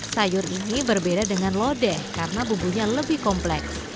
sayur ini berbeda dengan lodeh karena bumbunya lebih kompleks